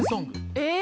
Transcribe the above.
えっ？